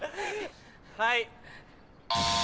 はい。